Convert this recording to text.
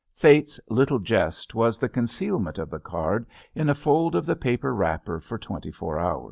Fate's little jest was the concealment of the card in a fold of the paper wrapper for twenty four hours.